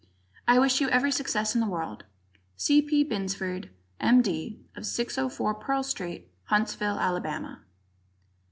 I wish you every success in the world. C. P. Binsford. M. D., 604 Pearl Street, Huntsville, Ala.